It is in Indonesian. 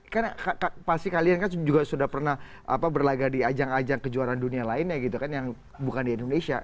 karena pasti kalian kan juga sudah pernah berlagak di ajang ajang kejuaraan dunia lainnya gitu kan yang bukan di indonesia